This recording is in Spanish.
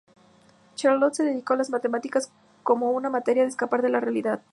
Charlotte se dedicó a las matemáticas como una manera de escapar de la realidad.